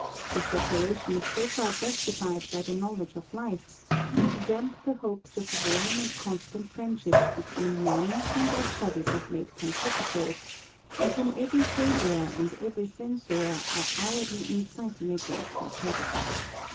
This declaration is so far justified by the knowledge of life, as to damp the hopes of warm and constant friendship between men whom their studies have made competitors, and whom every favourer and every censurer are hourly inciting against each other.